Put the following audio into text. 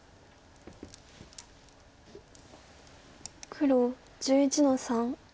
黒１１の三。